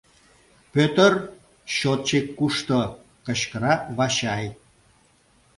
— Пӧтыр, счётчик кушто? — кычкыра Вачай.